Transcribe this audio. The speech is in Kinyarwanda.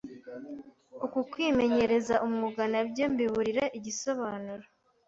Uku kwimenyereza umwuga nabyo mbiburira igisobanuro